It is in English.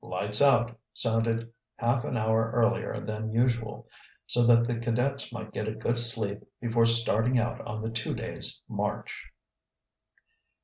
"Lights out," sounded half an hour earlier than usual, so that the cadets might get a good sleep before starting out on the two days' march.